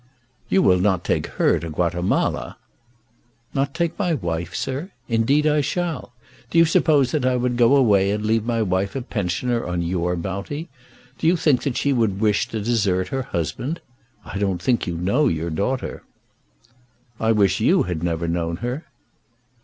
"You will not take her to Guatemala!" "Not take my wife, sir? Indeed I shall. Do you suppose that I would go away and leave my wife a pensioner on your bounty? Do you think that she would wish to desert her husband? I don't think you know your daughter." "I wish you had never known her."